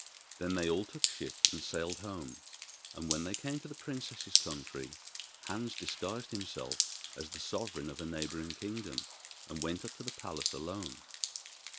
Then they all took ship and sailed home, and when they came to the princess's country, Hans disguised himself as the sovereign of a neighbouring kingdom, and went up to the palace alone.